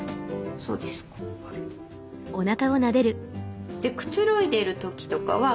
そうですか。